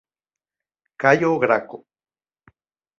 Cayo Graco.